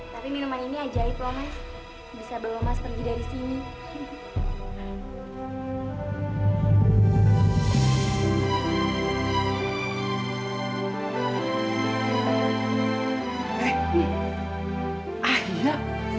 sampai jumpa di video selanjutnya